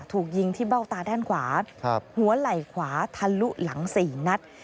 ถูกยิงที่เบ้าตาด้านขวาหัวไหล่ขวาทะลุหลัง๔นัด